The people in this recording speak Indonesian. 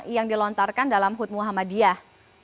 yang dilontarkan dalam hud muhammadiyah